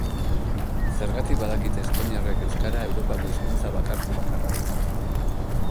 Zergatik badakite estoniarrek euskara Europako hizkuntza bakartu bakarra dela?